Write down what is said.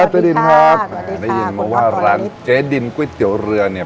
วันนี้มาว่าร้านเจดินก๋วยเตี๋ยวเรือเนี่ย